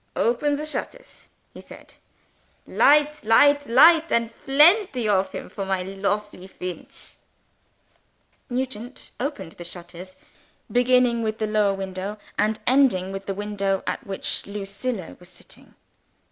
"Open the shutters," he said. "Light light light, and plenty of him, for my lofely Feench!" Nugent opened the shutters, beginning with the lower window, and ending with the window at which Lucilla was sitting.